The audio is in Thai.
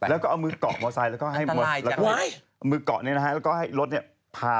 แล้วก็เอามือกล่องมอเตอร์ไซค์แล้วก็ให้รถพามอเตอร์ไซค์เข้าไป